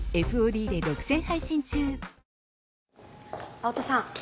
青砥さん